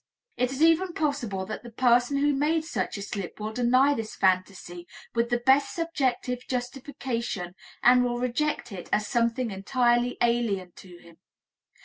It is even possible that the person who made such a slip will deny this phantasy with the best subjective justification and will reject it as something entirely alien to him.